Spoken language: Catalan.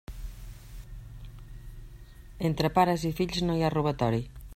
Entre pares i fills no hi ha robatori.